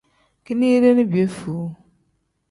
Kinide ni piyefuu.